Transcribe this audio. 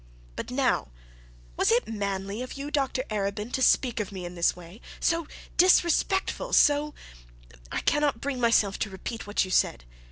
But now was it manly of you, Mr Arabin, to speak of me in this way , so disrespectful so ? I cannot bring myself to repeat what you said.